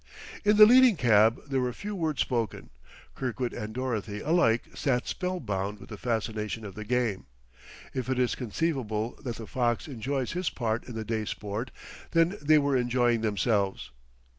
In the leading cab there were few words spoken. Kirkwood and Dorothy alike sat spellbound with the fascination of the game; if it is conceivable that the fox enjoys his part in the day's sport, then they were enjoying themselves.